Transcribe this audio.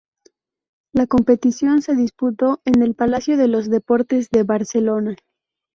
La competición se disputó en el Palacio de los Deportes de Barcelona.